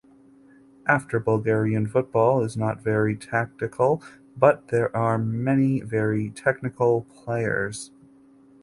After Bulgarian football is not very tactical but there are many very technical players.